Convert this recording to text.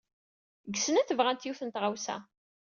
Deg snat bɣant yiwet n tɣawsa.